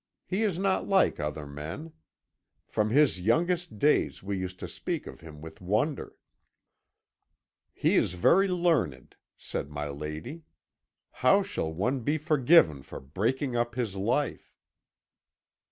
He is not like other men. From his youngest days we used to speak of him with wonder.' "'He is very learned,' said my lady. 'How shall one be forgiven for breaking up his life?'